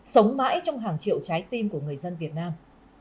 sống mãi trong hàng triệu trái tim của người dân việt nam